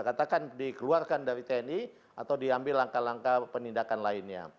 katakan dikeluarkan dari tni atau diambil langkah langkah penindakan lainnya